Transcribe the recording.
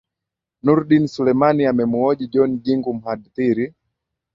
nurdin selumani amemuhoji john jingu mhadhiri